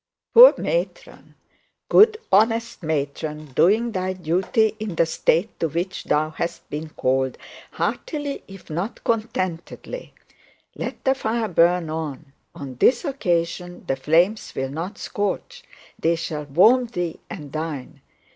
Poor matron! Good honest matron! Doing thy duty in the state to which thou hast been called, heartily if not contentedly; let the fire burn on on this occasion the flames will not scorch; they shall warm thee and thine.